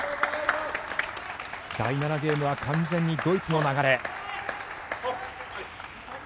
第７ゲームは完全にドイツの流れ。